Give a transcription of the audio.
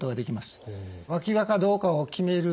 わきがかどうかを決める